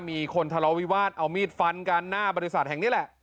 มีคนทะเลาวิวาสเอามีดฟันกันหน้าบริษัทแห่งนี้แหละ